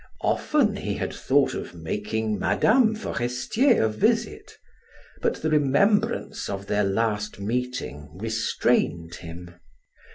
Often he had thought of making Mme. Forestier a visit, but the remembrance of their last meeting restrained him.